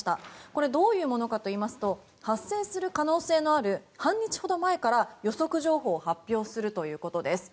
これはどういうものかといいますと発生する可能性のある半日ほど前から予測情報を発表するということです。